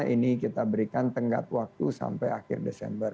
ini kita berikan tenggat waktu sampai akhir desember